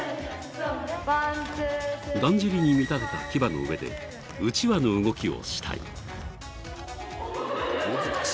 だんじりに見立てた騎馬の上でうちわの動きをしたい。